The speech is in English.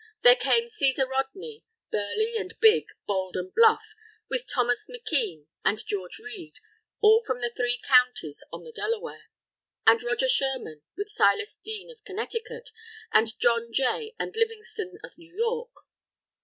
There came Cæsar Rodney, "burley and big, bold and bluff," with Thomas McKean and George Read, all from the three counties on the Delaware, and Roger Sherman with Silas Deane of Connecticut, and John Jay and Livingston of New York.